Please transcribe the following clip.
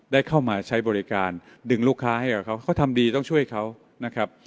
ได้เข้ามาใช้บริการดึงลูกค้าให้กับเขาเขาทำดีต้องช่วยเขานะครับ